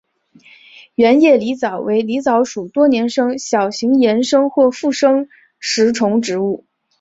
圆叶狸藻为狸藻属多年生小型岩生或附生食虫植物。